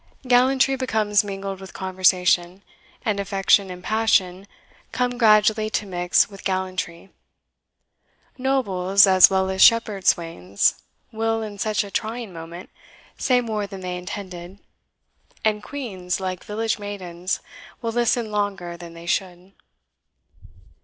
Gallantry becomes mingled with conversation, and affection and passion come gradually to mix with gallantry. Nobles, as well as shepherd swains, will, in such a trying moment, say more than they intended; and Queens, like village maidens, will listen longer than they should.